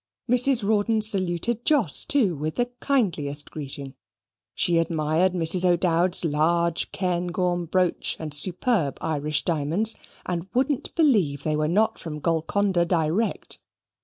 Mrs. Rawdon saluted Jos, too, with the kindliest greeting: she admired Mrs. O'Dowd's large Cairngorm brooch and superb Irish diamonds, and wouldn't believe that they were not from Golconda direct.